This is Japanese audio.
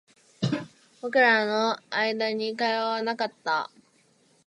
僕らの間に会話はなかった